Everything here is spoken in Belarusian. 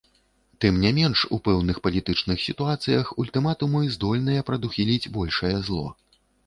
Тым не менш у пэўных палітычных сітуацыях ультыматумы здольныя прадухіліць большае зло.